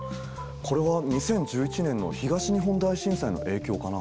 これは２０１１年の東日本大震災の影響かな？